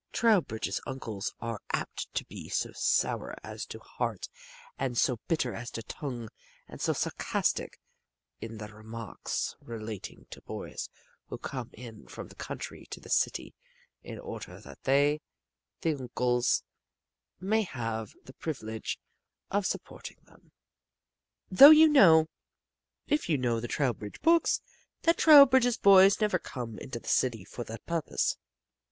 Trowbridge's uncles are apt to be so sour as to heart, and so bitter as to tongue, and so sarcastic in their remarks relating to boys who come in from the country to the city in order that they the uncles may have the privilege of supporting them. Though you know if you know the Trowbridge books that Trowbridge's boys never come into the city for that purpose.